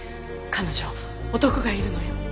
彼女男がいるのよ。